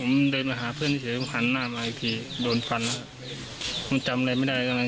มีกี่คนที่เข้ามารุมเรา